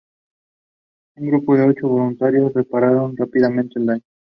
Un grupo de ocho voluntarios repararon rápidamente el daño.